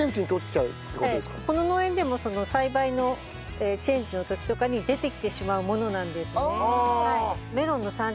この農園でも栽培のチェンジの時とかに出てきてしまうものなんですね。